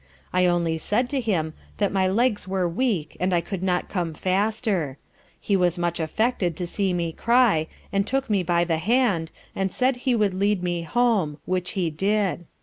I only said to him that my legs were weak, and I could not come faster: he was much affected to see me cry, and took me by the hand, and said he would lead me home, which he did.